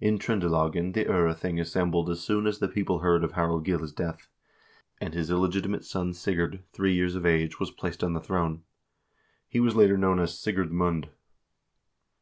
In Tr0ndelagen the 0rething assembled as soon as the people heard of Harald Gille's death, and his illegitimate son Sigurd, three years of age, was placed on the throne. He was later known as Sigurd Mund.